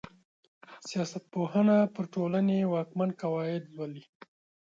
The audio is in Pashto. سياست پوهنه پر ټولني واکمن قواعد لولي.